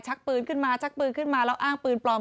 ชักปืนขึ้นมาแล้วอ้างปืนปลอม